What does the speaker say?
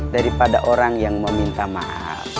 daripada orang yang meminta maaf